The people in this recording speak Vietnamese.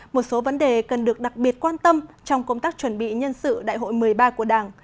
một số vấn đề cần được đặc biệt quan tâm trong công tác chuẩn bị nhân sự đại hội một mươi ba của đảng